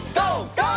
ＧＯ！